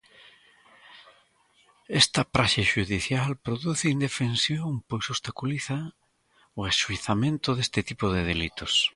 Esta praxe xudicial produce indefensión pois obstaculiza o axuizamento deste tipo de delitos.